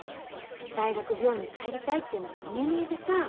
大学病院に帰りたいっていうのが見え見えでさ。